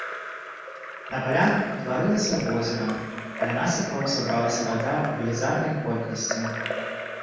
На палях ўтварылася возера, каля насыпаў сабралася вада ў велізарнай колькасці.